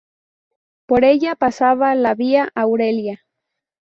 Por ella pasaba la Vía Aurelia.